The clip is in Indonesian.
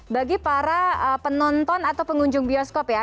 bagi para penonton atau pengunjung bioskop ya